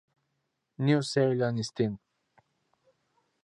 New Zealand Inst.